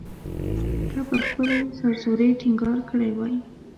که مو پر خپلې سر زورۍ ټینګار کړی وای.